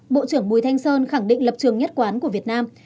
bộ trưởng bùi thanh sơn khẳng định lập trường nhất quán của việt nam